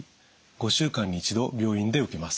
５週間に一度病院で受けます。